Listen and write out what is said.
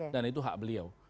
dan itu hak beliau